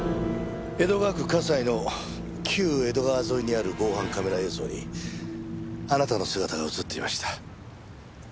江戸川区西の旧江戸川沿いにある防犯カメラ映像にあなたの姿が映っていました。